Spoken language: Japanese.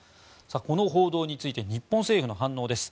この報道について日本政府の反応です。